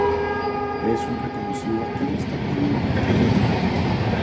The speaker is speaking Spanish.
Es un reconocido activista medioambiental.